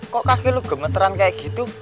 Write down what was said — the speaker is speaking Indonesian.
kok kaki lu gemeteran kayak gitu